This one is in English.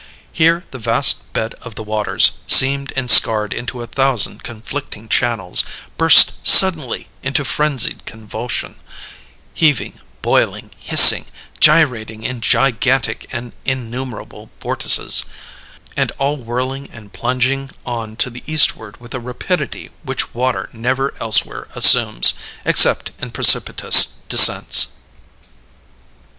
Here the vast bed of the waters, seamed and scarred into a thousand conflicting channels, burst suddenly into frenzied convulsion: heaving, boiling, hissing, gyrating in gigantic and innumerable vortices, and all whirling and plunging on to the eastward with a rapidity which water never elsewhere assumes, except in precipitous descents.